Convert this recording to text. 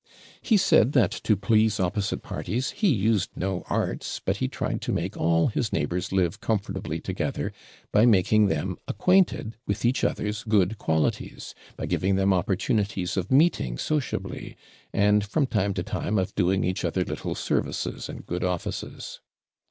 He said, to please opposite parties, he used no arts; but he tried to make all his neighbours live comfortably together, by making them acquainted with each other's good qualities; by giving them opportunities of meeting sociably, and, from time to time, of doing each other little services and good offices.